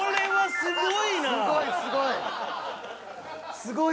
すごいすごい。